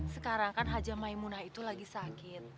sekarang kan haja maimunah itu lagi sakit